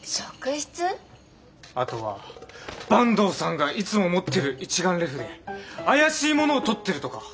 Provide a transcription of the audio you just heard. あとは坂東さんがいつも持ってる一眼レフで怪しいものを撮ってるとか。